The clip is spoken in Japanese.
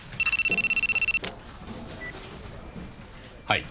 はい。